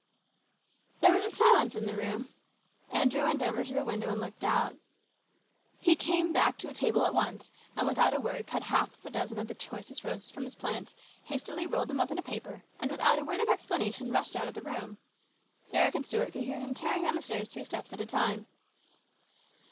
There was a silence in the room. Andrew went over to the window and looked out. He came back to the table at once, and without a word cut half a dozen of the choicest roses from his plants, hastily rolled them up in a paper, and, without a word of PLANS GOOD AND BAD. 177 explanation, rushed out of the room. Eric and Stuart could hear him tearing down the stairs three steps at a time.